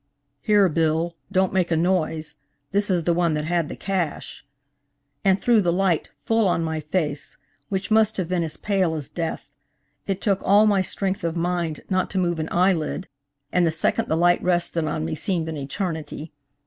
"Here, Bill, don't make a noise. This is the one that had the cash," and threw the light full on my face, which must have been as pale as death. It took all my strength of mind not to move an eyelid, and the second the light rested on me seemed an eternity.